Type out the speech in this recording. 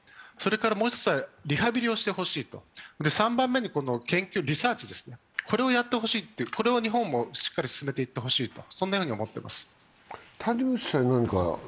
もう一つはリハビリをしてほしい、３番目に研究・リサーチをやってほしい、これを日本もしっかり進めてほしいと思っています。